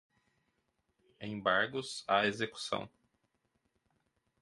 embargos à execução